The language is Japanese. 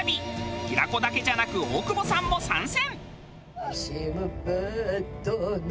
平子だけじゃなく大久保さんも参戦！